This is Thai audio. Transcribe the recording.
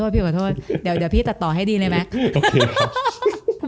พี่ขอโทษเดี๋ยวพี่ตัดต่อให้ดีเลยไหม